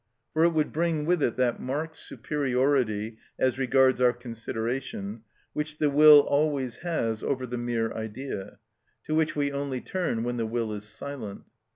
For it would bring with it that marked superiority, as regards our consideration, which the will always has over the mere idea, to which we only turn when the will is silent.